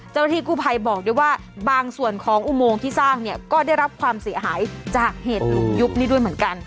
เจ้าหน้าที่กู้ภัยบอกด้วยว่าบางส่วนของอุโมงที่สร้างเนี่ยก็ได้รับความเสียหายจากเหตุลุมยุบนี่ด้วยเหมือนกัน